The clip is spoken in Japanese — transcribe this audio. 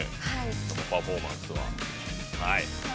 生パフォーマンスは。